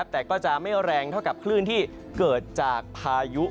แต่ก็จะไม่แรงเท่ากับคลื่นที่เกิดจากพายุ